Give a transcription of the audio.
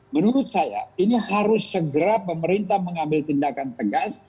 menurut saya ini harus segera pemerintah mengambil tindakan tegas